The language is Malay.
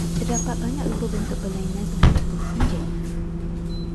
Terdapat banyak rupa bentuk berlainan untuk ekor anjing.